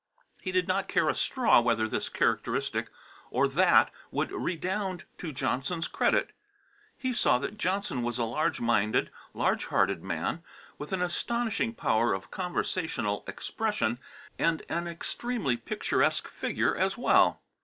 He did not care a straw whether this characteristic or that would redound to Johnson's credit. He saw that Johnson was a large minded, large hearted man, with an astonishing power of conversational expression, and an extremely picturesque figure as well.